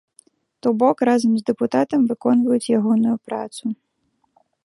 То бок, разам з дэпутатам выконваюць ягоную працу.